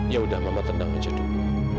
ya udah mama tendang aja dulu